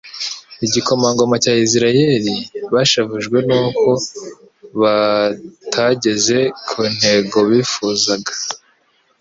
Igikomangoma cya Isiraeli. Bashavujwe nuko batageze ku ntego bifuzaga,